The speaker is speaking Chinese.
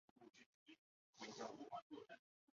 红军乘机迅速展开反攻。